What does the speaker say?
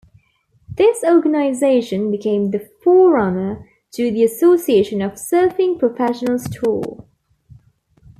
This organization became the forerunner to the Association of Surfing Professionals tour.